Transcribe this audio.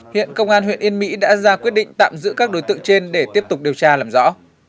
hiện công an huyện yên mỹ đã ra quyết định tạm giữ các đối tượng trên để tiếp tục điều tra làm rõ